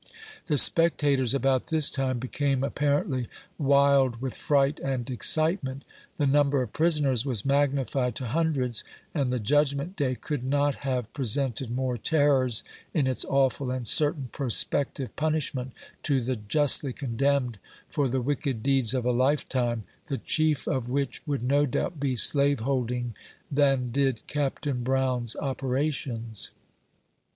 The spectators, about this time, became apparently wild with fright and excitement. The number of prisoners was magnified to hundreds, and the judgment day could not have presented more terrors, in its awful and certain prospective punishment to the justly condemned for the wicked deeds of a life time, the chief of which would no doubt be slavehold ing, than did Capt. Brown's operations.